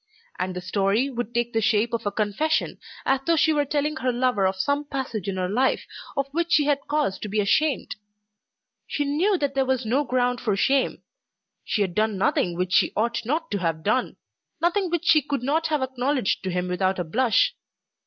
And the story would take the shape of a confession, as though she were telling her lover of some passage in her life of which she had cause to be ashamed. She knew that there was no ground for shame. She had done nothing which she ought not to have done, nothing which she could not have acknowledged to him without a blush.